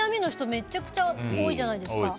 めちゃくちゃ多いじゃないですか。